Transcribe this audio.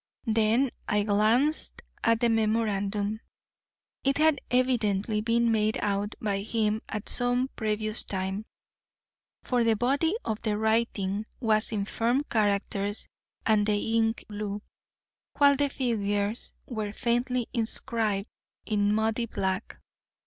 Then I glanced at the memorandum. It had evidently been made out by him at some previous time, for the body of the writing was in firm characters and the ink blue, while the figures were faintly inscribed in muddy black.